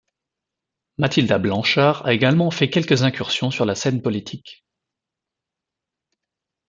Mathilda Blanchard a également fait quelques incursions sur la scène politique.